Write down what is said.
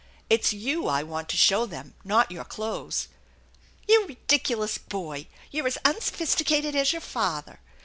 It's you I want to show them, not your clothes." " You ridiculous boy ! You're as unsophisticated as your father.